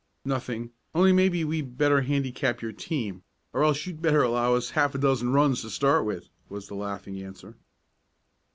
"Nothing, only maybe we better handicap your team, or else you'd better allow us half a dozen runs to start with," was the laughing answer.